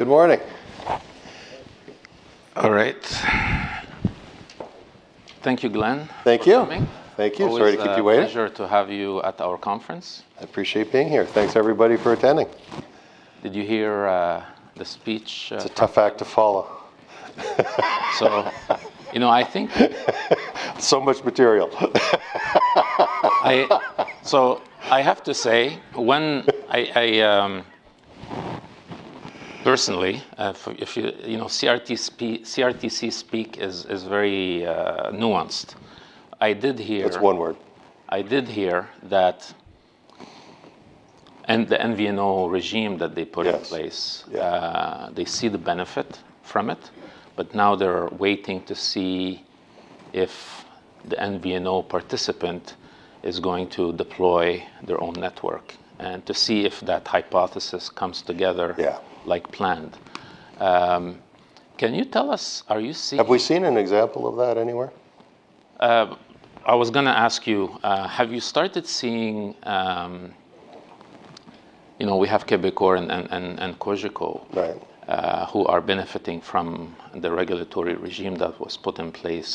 Good morning. All right. Thank you, Glenn. Thank you. for coming. Thank you. Sorry to keep you waiting. Always a pleasure to have you at our conference. I appreciate being here. Thanks everybody for attending. Did you hear the speech? It's a tough act to follow. So, you know, I think- Much material. I have to say, when I, personally, for, if you know, CRTC speak is very, nuanced. I did hear. It's one word. I did hear that. The MVNO regime that they put in place. Yes. Yeah.... they see the benefit from it, but now they're waiting to see if the MVNO participant is going to deploy their own network, and to see if that hypothesis comes together. Yeah ... like planned. Can you tell us, are you seeing-? Have we seen an example of that anywhere? I was gonna ask you, have you started seeing, you know, we have Quebecor and Cogeco? Right... who are benefiting from the regulatory regime that was put in place.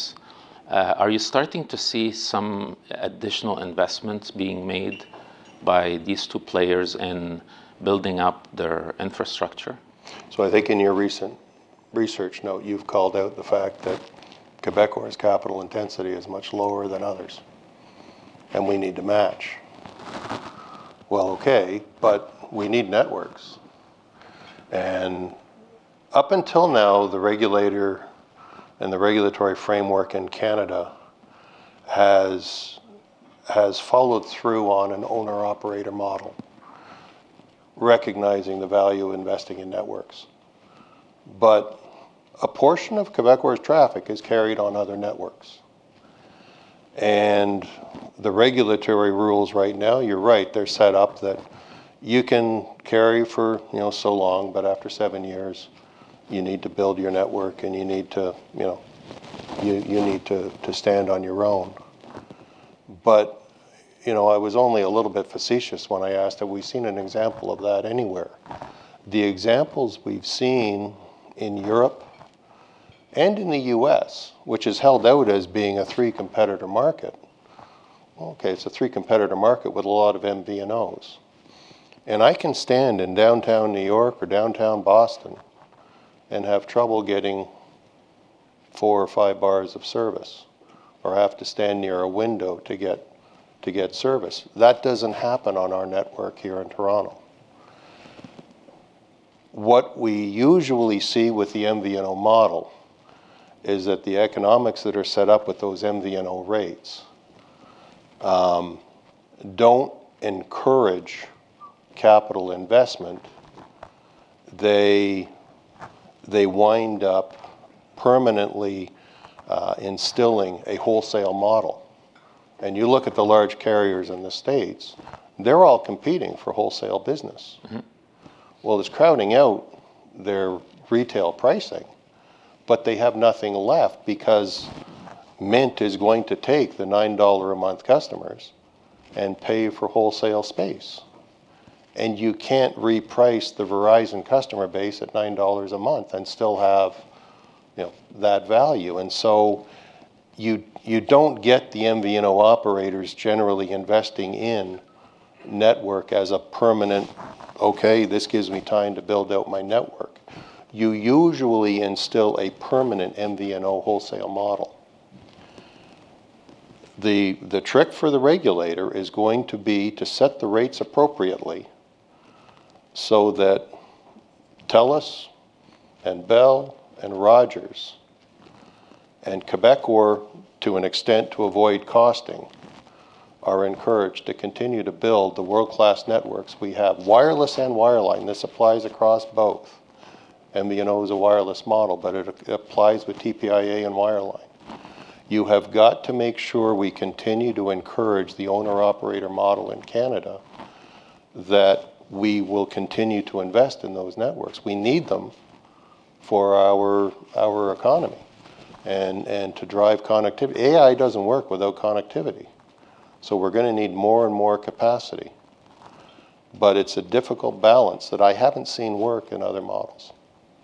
Are you starting to see some additional investments being made by these two players in building up their infrastructure? I think in your recent research note, you've called out the fact that Quebecor's capital intensity is much lower than others, and we need to match. Okay, but we need networks. Up until now, the regulator and the regulatory framework in Canada has followed through on an owner/operator model, recognizing the value investing in networks. A portion of Quebecor's traffic is carried on other networks. The regulatory rules right now, you're right, they're set up that you can carry for, you know, so long, but after seven years, you need to build your network and you need to, you know, you need to stand on your own. You know, I was only a little bit facetious when I asked, have we seen an example of that anywhere? The examples we've seen in Europe and in the U.S., which is held out as being a 3 competitor market. Well, okay, it's a 3 competitor market with a lot of MVNOs. I can stand in downtown New York or downtown Boston and have trouble getting 4 or 5 bars of service, or have to stand near a window to get service. That doesn't happen on our network here in Toronto. What we usually see with the MVNO model is that the economics that are set up with those MVNO rates don't encourage capital investment. They wind up permanently instilling a wholesale model. You look at the large carriers in the States, they're all competing for wholesale business. Mm-hmm. It's crowding out their retail pricing, but they have nothing left because Mint is going to take the 9 dollar a month customers and pay for wholesale space. You can't reprice the Verizon customer base at 9 dollars a month and still have, you know, that value. You don't get the MVNO operators generally investing in network as a permanent, "Okay, this gives me time to build out my network." You usually instill a permanent MVNO wholesale model. The trick for the regulator is going to be to set the rates appropriately so that Telus and Bell and Rogers and Quebecor, to an extent, to avoid costing, are encouraged to continue to build the world-class networks we have. Wireless and wireline, this applies across both. MVNO is a wireless model, but it applies with TPIA and wireline. You have got to make sure we continue to encourage the owner/operator model in Canada, that we will continue to invest in those networks. We need them for our economy and to drive connectivity. AI doesn't work without connectivity. We're gonna need more and more capacity, but it's a difficult balance that I haven't seen work in other models,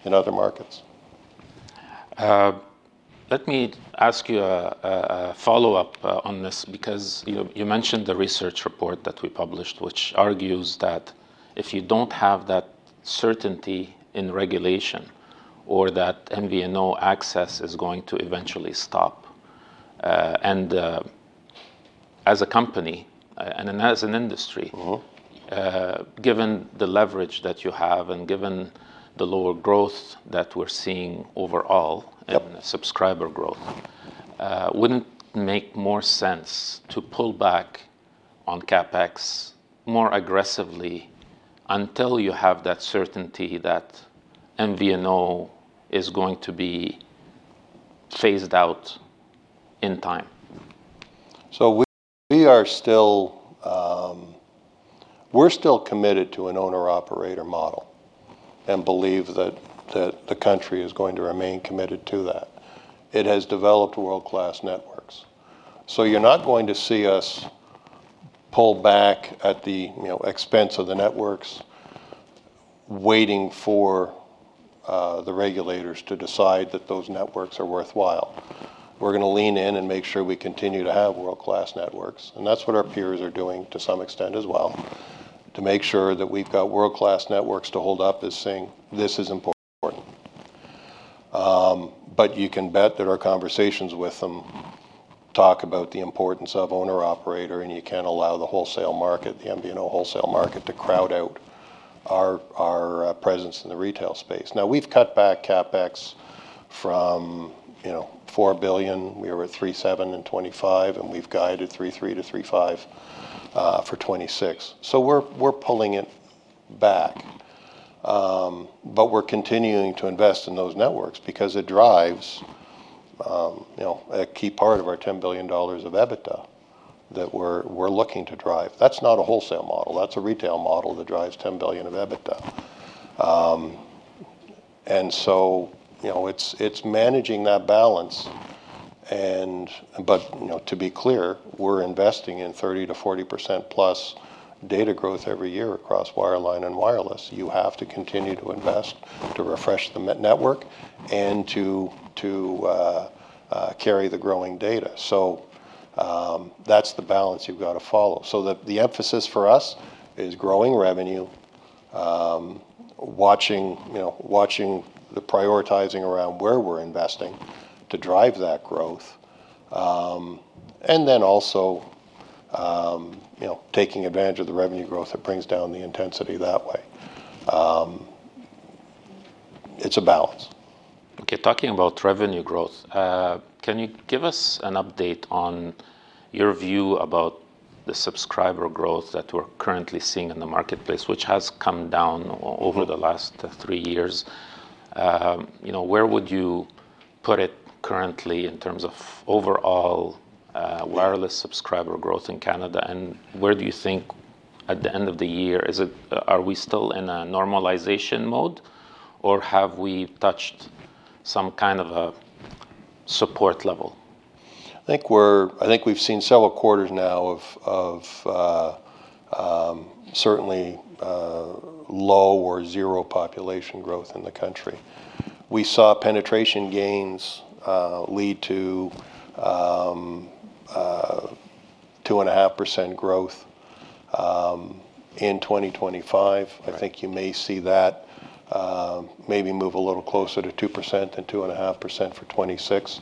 in other markets. Let me ask you a follow-up on this because you mentioned the research report that we published, which argues that if you don't have that certainty in regulation or that MVNO access is going to eventually stop. And as a company and as an industry. Mm-hmm... given the leverage that you have and given the lower growth that we're seeing overall. Yep... in subscriber growth, wouldn't it make more sense to pull back on CapEx more aggressively until you have that certainty that MVNO is going to be phased out in time? We are still committed to an owner/operator model and believe that the country is going to remain committed to that. It has developed world-class networks. You're not going to see us Pull back at the, you know, expense of the networks, waiting for the regulators to decide that those networks are worthwhile. We're gonna lean in and make sure we continue to have world-class networks, and that's what our peers are doing to some extent as well, to make sure that we've got world-class networks to hold up as saying, "This is important." You can bet that our conversations with them talk about the importance of owner/operator, and you can't allow the wholesale market, the MVNO wholesale market, to crowd out our presence in the retail space. We've cut back CapEx from, you know, 4 billion. We were at 3.7 in 2025. We've guided 3.3-3.5 for 2026. We're pulling it back. We're continuing to invest in those networks because it drives, you know, a key part of our 10 billion dollars of EBITDA that we're looking to drive. That's not a wholesale model. That's a retail model that drives 10 billion of EBITDA. You know, it's managing that balance. You know, to be clear, we're investing in 30%-40%+ data growth every year across wireline and wireless. You have to continue to invest to refresh the network and to carry the growing data. That's the balance you've gotta follow. The emphasis for us is growing revenue, watching, you know, the prioritizing around where we're investing to drive that growth, and then also, you know, taking advantage of the revenue growth. It brings down the intensity that way. It's a balance. Okay, talking about revenue growth, can you give us an update on your view about the subscriber growth that we're currently seeing in the marketplace, which has come down over the last three years? You know, where would you put it currently in terms of overall wireless subscriber growth in Canada, and where do you think at the end of the year? Are we still in a normalization mode, or have we touched some kind of a support level? I think we've seen several quarters now of certainly low or zero population growth in the country. We saw penetration gains lead to 2.5% growth in 2025. Right. I think you may see that, maybe move a little closer to 2% and 2.5% for 2026.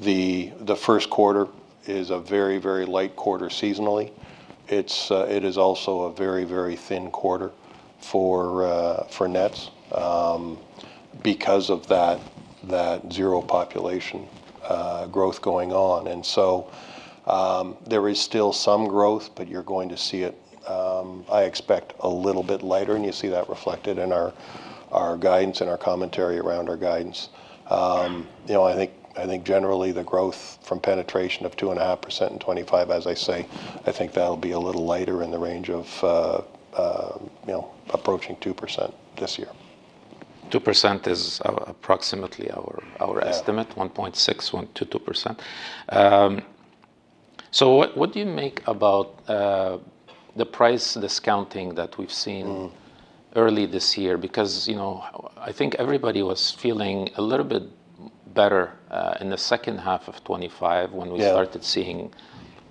The first quarter is a very, very light quarter seasonally. It's, it is also a very, very thin quarter for nets because of that zero population growth going on. There is still some growth, but you're going to see it, I expect a little bit lighter, and you see that reflected in our guidance and our commentary around our guidance. I think generally the growth from penetration of 2.5% in 2025, as I say, I think that'll be a little lighter in the range approaching 2% this year. 2% is approximately our estimate. Yeah. 1.6, 1% to 2%. What do you make about the price discounting that we've seen? Mm ... early this year? Because, you know, I think everybody was feeling a little bit better, in the second half of 2025- Yeah ...when we started seeing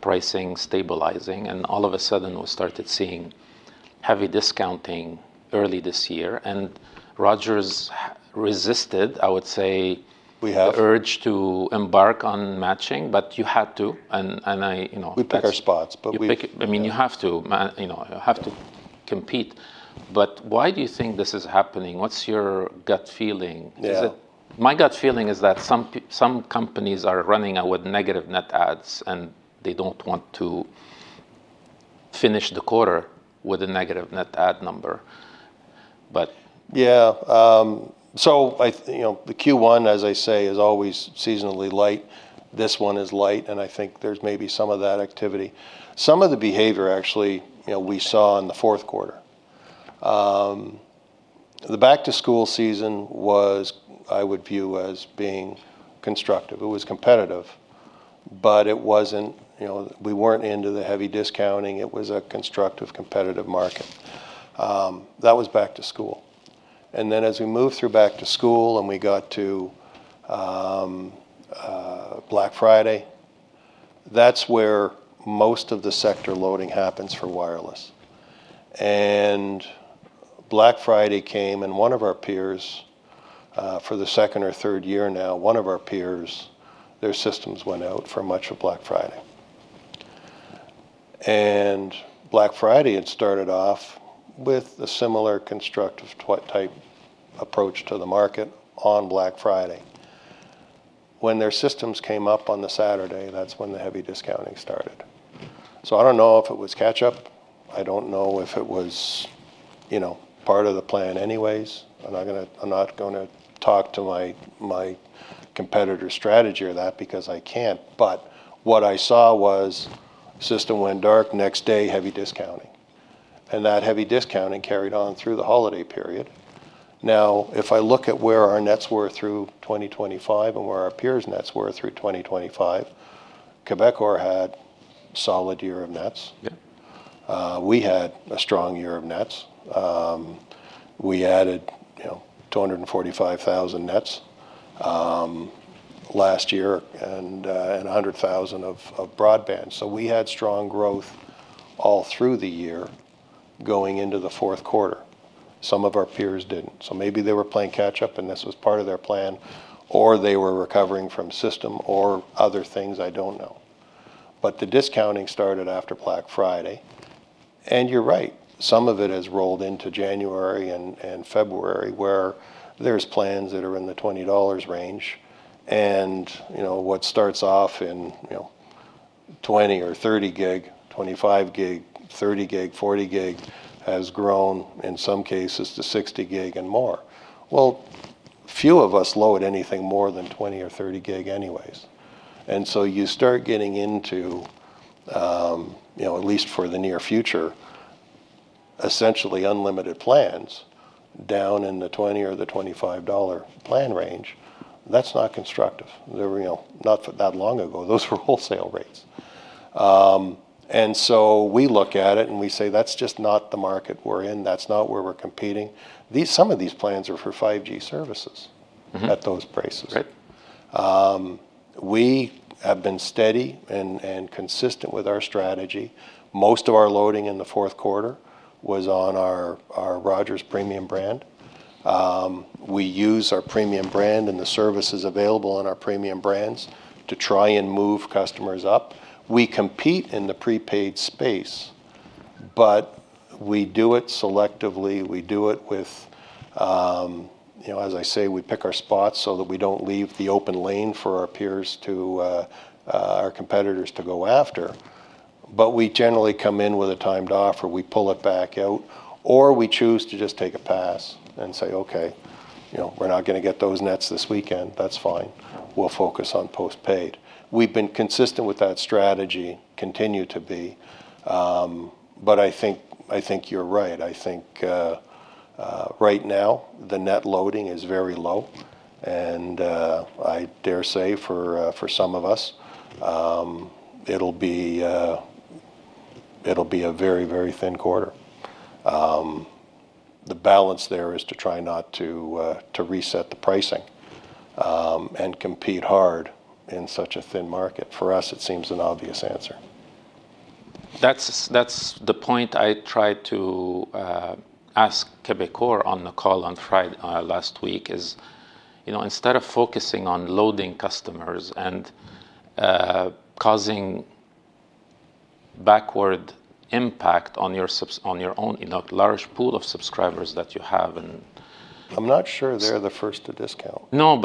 pricing stabilizing, all of a sudden we started seeing heavy discounting early this year. Rogers resisted, I would say... We have... the urge to embark on matching, but you had to, and I, you know, that's- We pick our spots, but. You pick. I mean, you have to you know, have to compete. Why do you think this is happening? What's your gut feeling? Yeah. My gut feeling is that some companies are running out with negative net adds, and they don't want to finish the quarter with a negative net add number. I, you know, the Q1, as I say, is always seasonally light. This one is light, I think there's maybe some of that activity. Some of the behavior actually, you know, we saw in the fourth quarter. The back to school season was, I would view, as being constructive. It was competitive, it wasn't, you know, we weren't into the heavy discounting. It was a constructive, competitive market. That was back to school. As we moved through back to school and we got to Black Friday, that's where most of the sector loading happens for wireless. Black Friday came, one of our peers, for the second or third year now, one of our peers, their systems went out for much of Black Friday. Black Friday had started off with a similar constructive type approach to the market on Black Friday. When their systems came up on the Saturday, that's when the heavy discounting started. I don't know if it was catch-up. I don't know if it was, you know, part of the plan anyways. I'm not gonna talk to my competitor's strategy or that because I can't. What I saw was system went dark, next day heavy discounting. That heavy discounting carried on through the holiday period. If I look at where our nets were through 2025 and where our peers' nets were through 2025, Quebecor had solid year of nets. Yeah. We had a strong year of nets. We added, you know, 245,000 nets last year and 100,000 of broadband. We had strong growth all through the year going into the fourth quarter. Some of our peers didn't, so maybe they were playing catch-up and this was part of their plan, or they were recovering from system or other things, I don't know. The discounting started after Black Friday, and you're right, some of it has rolled into January and February, where there's plans that are in the 20 dollars range and, you know, what starts off in, you know, 20 or 30 GB, 25 GB, 30 GB, 40 GB has grown in some cases to 60 GB and more. Few of us load anything more than 20 or 30 GB anyways. You start getting into, you know, at least for the near future, essentially unlimited plans down in the 20 or the 25 dollar plan range. That's not constructive. You know, not that long ago, those were wholesale rates. We look at it and we say, "That's just not the market we're in. That's not where we're competing." Some of these plans are for 5G services. Mm-hmm... at those prices. Right. We have been steady and consistent with our strategy. Most of our loading in the 4th quarter was on our Rogers premium brand. We use our premium brand and the services available on our premium brands to try and move customers up. We compete in the prepaid space, but we do it selectively. We do it with, you know, as I say, we pick our spots so that we don't leave the open lane for our peers to our competitors to go after. We generally come in with a timed offer. We pull it back out, or we choose to just take a pass and say, "Okay, you know, we're not gonna get those net adds this weekend." That's fine. We'll focus on postpaid. We've been consistent with that strategy, continue to be. I think you're right. I think, right now the net loading is very low and I dare say for some of us, it'll be a very, very thin quarter. The balance there is to try not to reset the pricing and compete hard in such a thin market. For us, it seems an obvious answer. That's the point I tried to ask Quebecor on the call last week, is, you know, instead of focusing on loading customers and causing backward impact on your own, you know, large pool of subscribers that you have. I'm not sure they're the first to discount. No,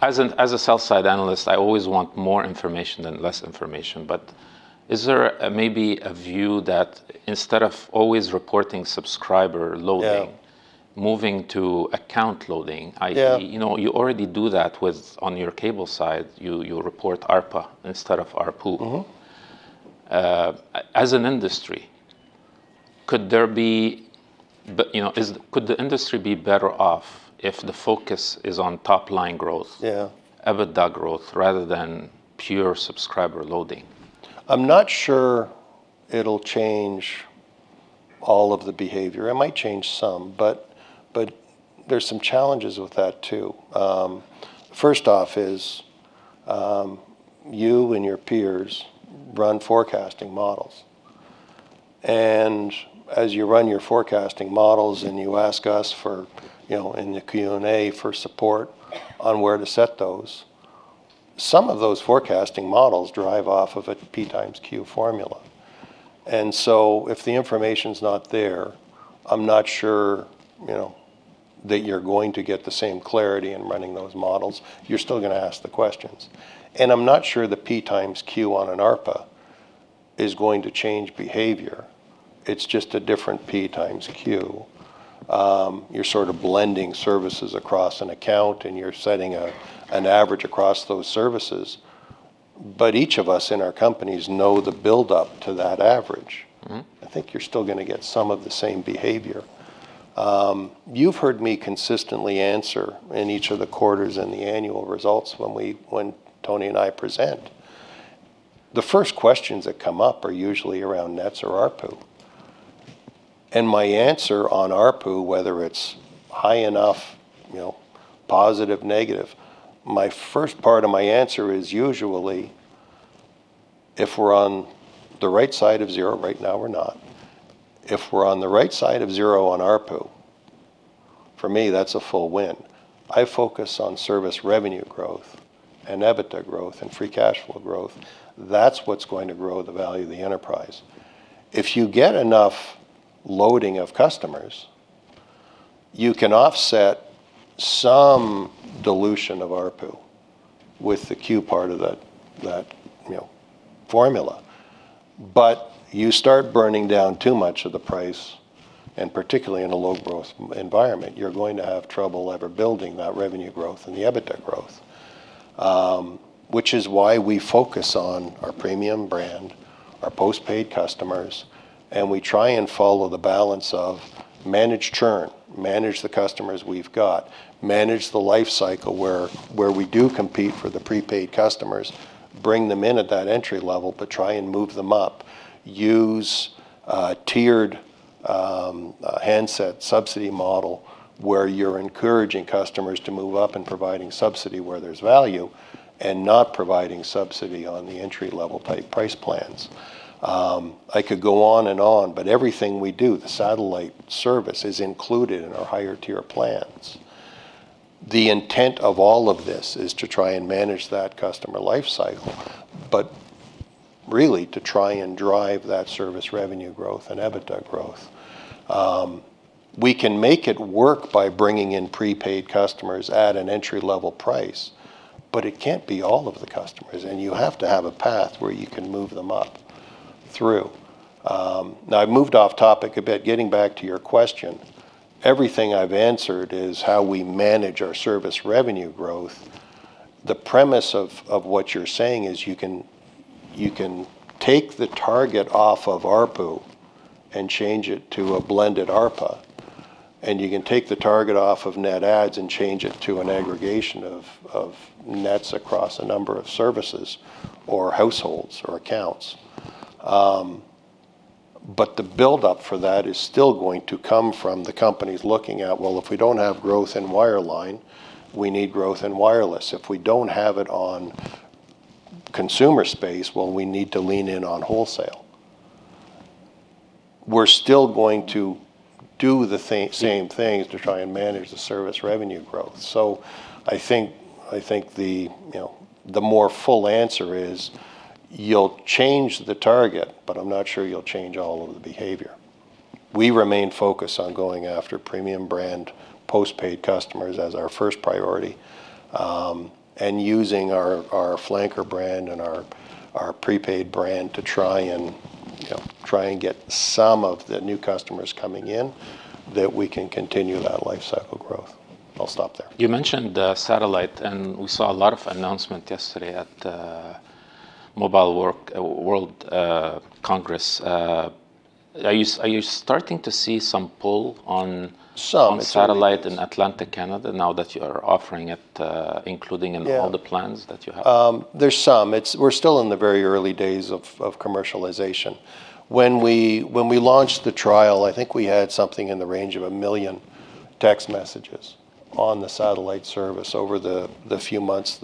As a sell side analyst, I always want more information than less information. Is there, maybe a view that instead of always reporting subscriber loading- Yeah... moving to account loading, i.e.- Yeah... you know, you already do that with, on your cable side. You, you report ARPA instead of ARPU. Mm-hmm. As an industry, but, you know, Could the industry be better off if the focus is on top line growth? Yeah EBITDA growth rather than pure subscriber loading? I'm not sure it'll change all of the behavior. It might change some, but there's some challenges with that, too. First off is, you and your peers run forecasting models, and as you run your forecasting models and you ask us for, you know, in the Q&A, for support on where to set those, some of those forecasting models derive off of a P x Q formula. If the information's not there, I'm not sure, you know, that you're going to get the same clarity in running those models. You're still gonna ask the questions. I'm not sure the P x Q on an ARPA is going to change behavior. It's just a different P x Q. You're sort of blending services across an account, and you're setting an average across those services, but each of us in our companies know the buildup to that average. Mm-hmm. I think you're still gonna get some of the same behavior. You've heard me consistently answer in each of the quarters and the annual results when Tony and I present. The first questions that come up are usually around nets or ARPU. My answer on ARPU, whether it's high enough, you know, positive, negative, my first part of my answer is usually if we're on the right side of zero, right now we're not, if we're on the right side of zero on ARPU, for me, that's a full win. I focus on service revenue growth and EBITDA growth and free cash flow growth. That's what's going to grow the value of the enterprise. If you get enough loading of customers, you can offset some dilution of ARPU with the Q part of that, you know, formula. You start burning down too much of the price-And particularly in a low growth environment, you're going to have trouble ever building that revenue growth and the EBITDA growth, which is why we focus on our premium brand, our postpaid customers, and we try and follow the balance of manage churn, manage the customers we've got, manage the life cycle where we do compete for the prepaid customers, bring them in at that entry level, but try and move them up. Use a tiered handset subsidy model where you're encouraging customers to move up and providing subsidy where there's value and not providing subsidy on the entry-level price plans. I could go on and on, everything we do, the satellite service is included in our higher tier plans. The intent of all of this is to try and manage that customer life cycle, but really to try and drive that service revenue growth and EBITDA growth. We can make it work by bringing in prepaid customers at an entry-level price, but it can't be all of the customers, and you have to have a path where you can move them up through. I've moved off topic a bit. Getting back to your question, everything I've answered is how we manage our service revenue growth. The premise of what you're saying is you can take the target off of ARPU and change it to a blended ARPA, and you can take the target off of net adds and change it to an aggregation of nets across a number of services or households or accounts. The buildup for that is still going to come from the companies looking at, well, if we don't have growth in wireline, we need growth in wireless. If we don't have it on consumer space, well, we need to lean in on wholesale. We're still going to do the same things to try and manage the service revenue growth. I think the, you know, the more full answer is you'll change the target, but I'm not sure you'll change all of the behavior. We remain focused on going after premium brand postpaid customers as our first priority, and using our flanker brand and our prepaid brand to try and, you know, try and get some of the new customers coming in that we can continue that life cycle growth. I'll stop there. You mentioned, satellite, and we saw a lot of announcement yesterday at, Mobile World Congress. Are you starting to see some pull? Some... on satellite in Atlantic Canada now that you are offering it, including Yeah... all the plans that you have? There's some. It's... We're still in the very early days of commercialization. When we launched the trial, I think we had something in the range of 1 million text messages on the satellite service over the few months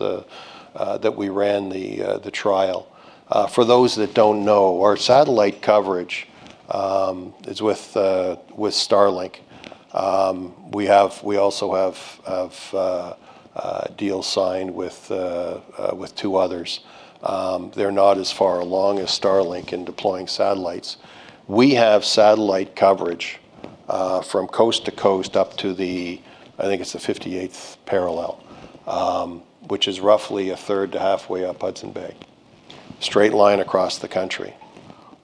that we ran the trial. For those that don't know, our satellite coverage is with Starlink. We have, we also have deals signed with two others. They're not as far along as Starlink in deploying satellites. We have satellite coverage from coast to coast up to the, I think it's the 58th parallel, which is roughly a third to halfway up Hudson Bay, straight line across the country.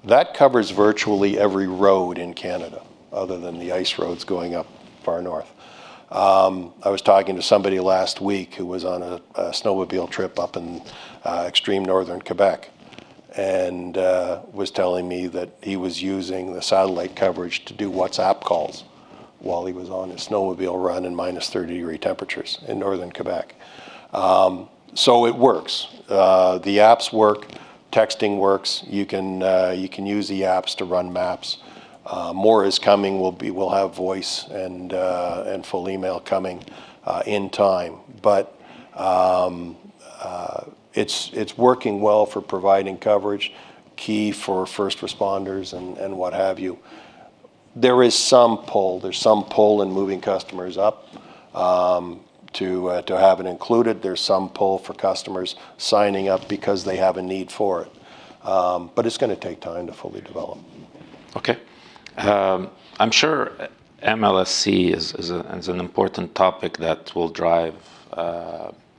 That covers virtually every road in Canada other than the ice roads going up far north. I was talking to somebody last week who was on a snowmobile trip up in extreme northern Quebec and was telling me that he was using the satellite coverage to do WhatsApp calls while he was on his snowmobile run in minus 30-degree temperatures in northern Quebec. It works. The apps work. Texting works. You can use the apps to run maps. More is coming. We'll have voice and full email coming in time. It's working well for providing coverage, key for first responders and what have you. There is some pull. There's some pull in moving customers up to have it included. There's some pull for customers signing up because they have a need for it. It's gonna take time to fully develop. Okay. I'm sure MLSE is an important topic that will drive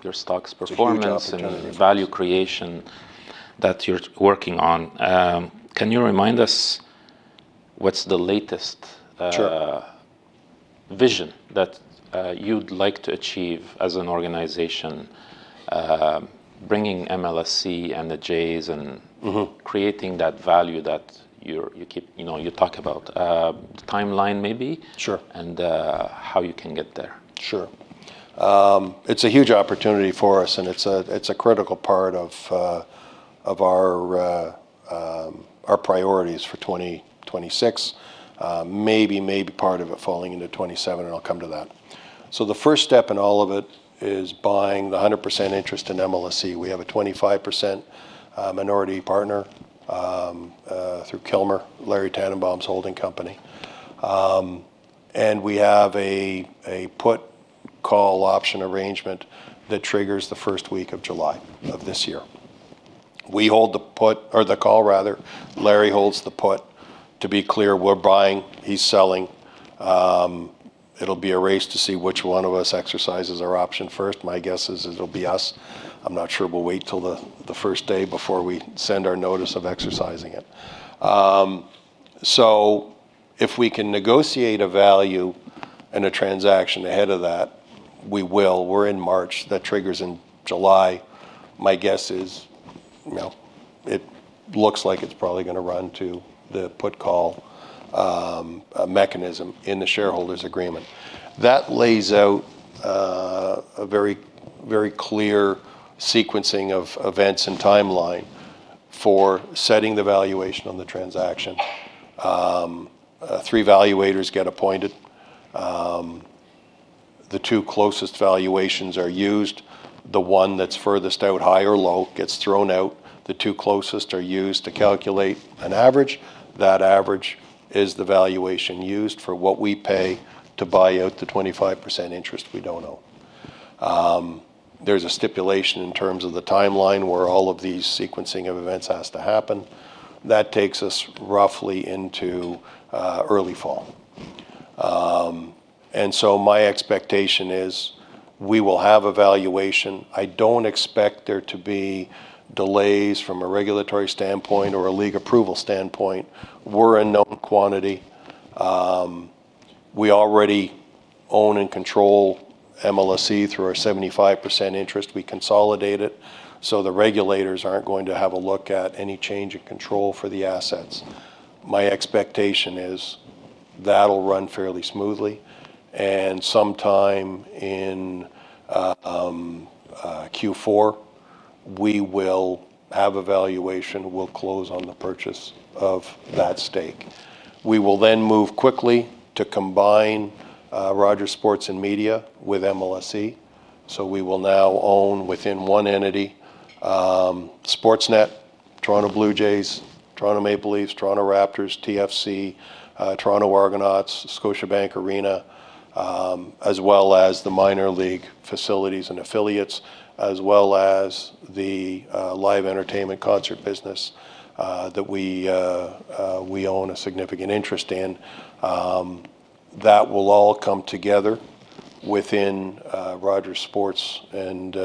your stock's performance. It's a huge opportunity.... and value creation that you're working on. Can you remind us what's the latest? Sure... vision that you'd like to achieve as an organization, bringing MLSE and the Jays. Mm-hmm creating that value that you keep, you know, you talk about? the timeline maybe- Sure... and, how you can get there. Sure. It's a huge opportunity for us, and it's a critical part of our priorities for 2026. Maybe part of it falling into 2027, and I'll come to that. The first step in all of it is buying the 100% interest in MLSE. We have a 25% minority partner through Kilmer, Larry Tanenbaum's holding company. And we have a put call option arrangement that triggers the first week of July. Mm-hmm of this year. We hold the put, or the call rather. Larry holds the put. To be clear, we're buying, he's selling. It'll be a race to see which one of us exercises our option first. My guess is it'll be us. I'm not sure we'll wait till the first day before we send our notice of exercising it. If we can negotiate a value and a transaction ahead of that, we will. We're in March. That triggers in July. My guess is, you know, it looks like it's probably going to run to the put-call mechanism in the shareholders' agreement. That lays out a very clear sequencing of events and timeline for setting the valuation on the transaction. Three valuators get appointed. The two closest valuations are used. The one that's furthest out high or low gets thrown out. The two closest are used to calculate an average. That average is the valuation used for what we pay to buy out the 25% interest we don't own. There's a stipulation in terms of the timeline where all of these sequencing of events has to happen. That takes us roughly into early fall. My expectation is we will have a valuation. I don't expect there to be delays from a regulatory standpoint or a league approval standpoint. We're a known quantity. We already own and control MLSE through our 75% interest. We consolidate it. The regulators aren't going to have a look at any change in control for the assets. My expectation is that'll run fairly smoothly. Sometime in Q4, we will have a valuation. We'll close on the purchase of that stake. We will move quickly to combine Rogers Sports & Media with MLSE. We will now own within one entity Sportsnet, Toronto Blue Jays, Toronto Maple Leafs, Toronto Raptors, TFC, Toronto Argonauts, Scotiabank Arena, as well as the minor league facilities and affiliates, as well as the live entertainment concert business that we own a significant interest in. That will all come together within Rogers Sports and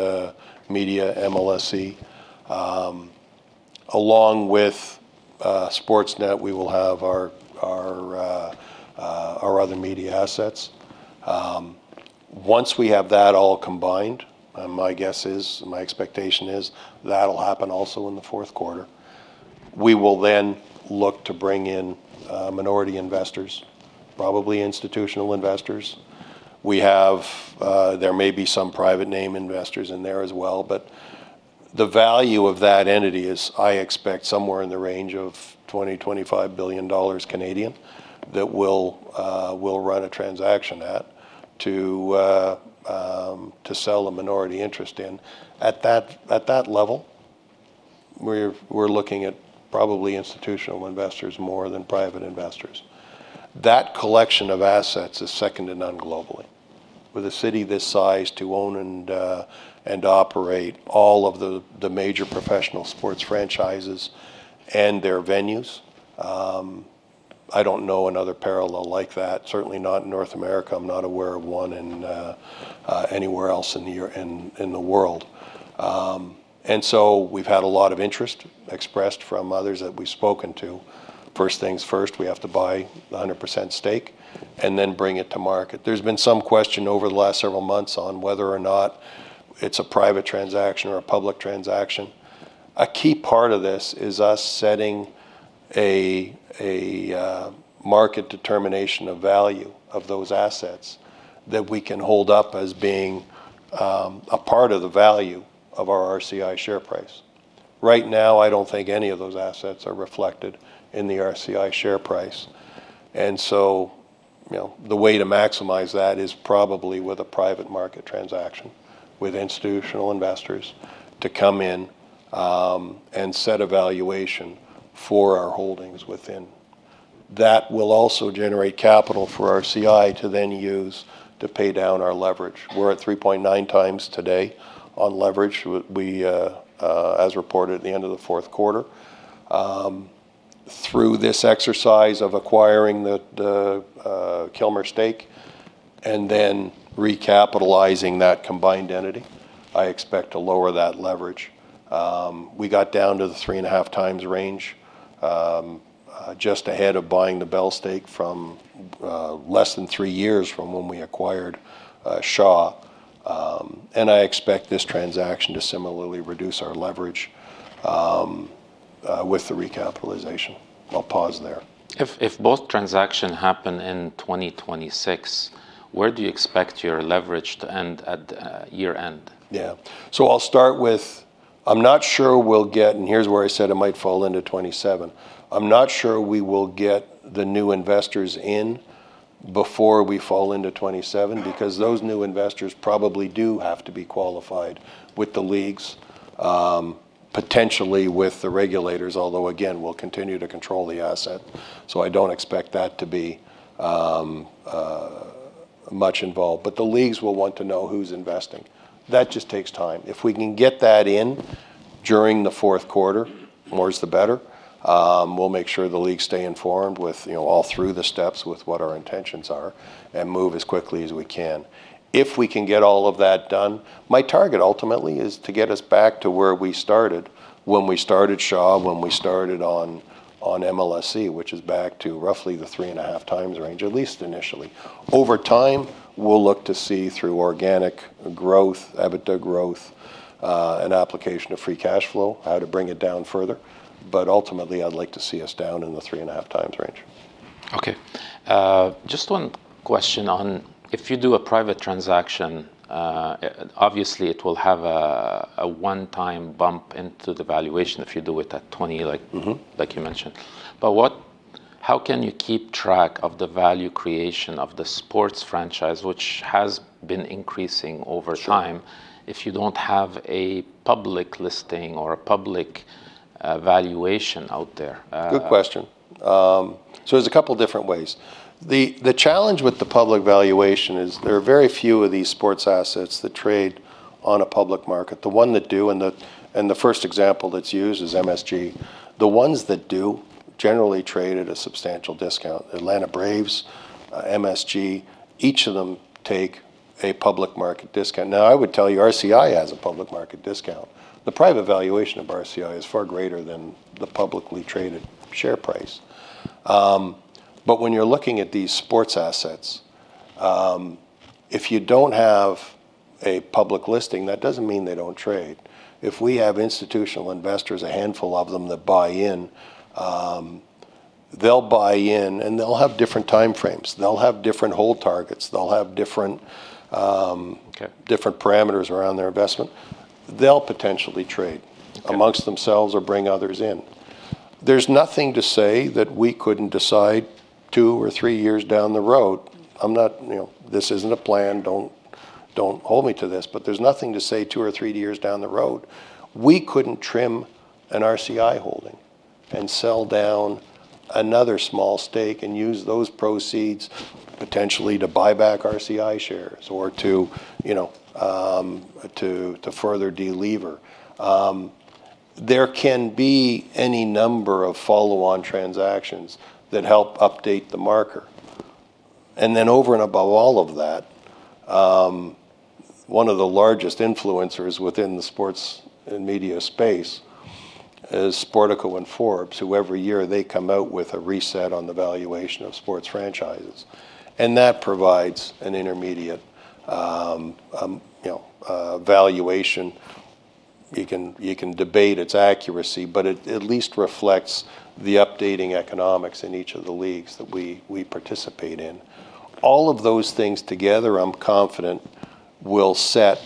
Media MLSE. Along with Sportsnet, we will have our other media assets. Once we have that all combined, my guess is, my expectation is that'll happen also in the fourth quarter. We will then look to bring in minority investors, probably institutional investors. There may be some private name investors in there as well, but the value of that entity is, I expect, somewhere in the range of 20 billion-25 billion dollars that we'll run a transaction at to sell a minority interest in. At that level, we're looking at probably institutional investors more than private investors. That collection of assets is second to none globally. With a city this size to own and operate all of the major professional sports franchises and their venues, I don't know another parallel like that, certainly not in North America. I'm not aware of one in anywhere else in the world. We've had a lot of interest expressed from others that we've spoken to. First things first, we have to buy the 100% stake and then bring it to market. There's been some question over the last several months on whether or not it's a private transaction or a public transaction. A key part of this is us setting a market determination of value of those assets that we can hold up as being a part of the value of our RCI share price. Right now, I don't think any of those assets are reflected in the RCI share price. The way to maximize that is probably with a private market transaction with institutional investors to come in and set a valuation for our holdings within. That will also generate capital for RCI to then use to pay down our leverage. We're at 3.9x today on leverage, as reported at the end of the fourth quarter. Through this exercise of acquiring the Kilmer stake and then recapitalizing that combined entity, I expect to lower that leverage. We got down to the 3.5x range just ahead of buying the Bell stake from less than three years from when we acquired Shaw. I expect this transaction to similarly reduce our leverage with the recapitalization. I'll pause there. If both transactions happen in 2026, where do you expect your leverage to end at year end? I'll start with, I'm not sure we'll get, and here's where I said it might fall into 2027. I'm not sure we will get the new investors in before we fall into 2027 because those new investors probably do have to be qualified with the leagues, potentially with the regulators, although again, we'll continue to control the asset. I don't expect that to be much involved, the leagues will want to know who's investing. That just takes time. If we can get that in During the fourth quarter, the more is the better. We'll make sure the league stay informed with, you know, all through the steps with what our intentions are, and move as quickly as we can. If we can get all of that done, my target ultimately is to get us back to where we started when we started Shaw, when we started on MLSE, which is back to roughly the 3.5x range, at least initially. Over time, we'll look to see through organic growth, EBITDA growth, and application of free cash flow, how to bring it down further. Ultimately, I'd like to see us down in the 3.5x range. Okay. just one question on if you do a private transaction, obviously, it will have a one-time bump into the valuation if you do it at 20. Mm-hmm... like you mentioned. How can you keep track of the value creation of the sports franchise, which has been increasing over time... Sure... if you don't have a public listing or a public valuation out there? Good question. There's 2 different ways. The challenge with the public valuation is there are very few of these sports assets that trade on a public market. The 1 that do, and the first example that's used is MSG. The ones that do generally trade at a substantial discount. Atlanta Braves, MSG, each of them take a public market discount. I would tell you, RCI has a public market discount. The private valuation of RCI is far greater than the publicly traded share price. When you're looking at these sports assets, if you don't have a public listing, that doesn't mean they don't trade. If we have institutional investors, a handful of them that buy in, they'll buy in and they'll have different time frames. They'll have different hold targets. They'll have different. Okay... different parameters around their investment. They'll potentially trade- Okay... amongst themselves or bring others in. There's nothing to say that we couldn't decide two or three years down the road. I'm not, you know, this isn't a plan. Don't hold me to this. There's nothing to say two or three years down the road we couldn't trim an RCI holding and sell down another small stake and use those proceeds potentially to buy back RCI shares or to, you know, to further delever. There can be any number of follow-on transactions that help update the marker. Over and above all of that, one of the largest influencers within the sports and media space is Sportico and Forbes, who every year they come out with a reset on the valuation of sports franchises. That provides an intermediate, you know, valuation. You can debate its accuracy, but it at least reflects the updating economics in each of the leagues that we participate in. All of those things together, I'm confident will set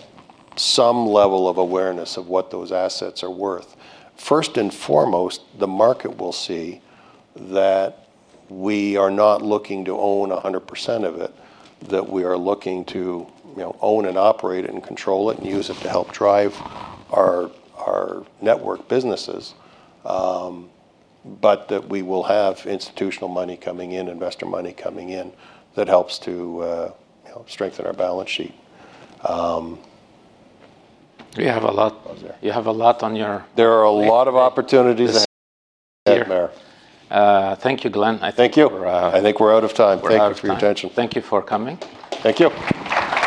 some level of awareness of what those assets are worth. First and foremost, the market will see that we are not looking to own 100% of it, that we are looking to, you know, own and operate it and control it and use it to help drive our network businesses. That we will have institutional money coming in, investor money coming in that helps to, you know, strengthen our balance sheet. You have a lot- Almost there. you have a lot on your plate. There are a lot of opportunities. This- there. Thank you, Glenn. I think we're. Thank you. I think we're out of time. We're out of time. Thank you for your attention. Thank you for coming. Thank you.